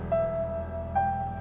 kita sedang mencari nafkah